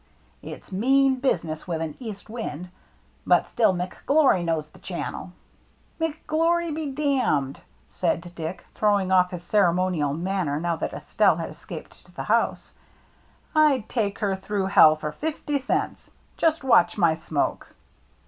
"It*s mean business with an east wind. But still McGlory knows the channel." " McGlory be !" said Dick, throwing off his ceremonial manner now that Estelle had escaped to the house. " Fd take her through hell for fifty cents. Just watch my smoke."